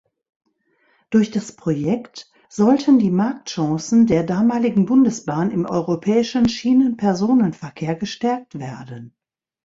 Durch das Projekt sollten die Marktchancen der damaligen Bundesbahn im europäischen Schienenpersonenverkehr gestärkt werden.